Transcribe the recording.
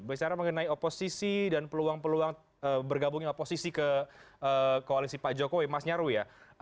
bicara mengenai oposisi dan peluang peluang bergabungnya oposisi ke koalisi pak jokowi mas nyarwi ya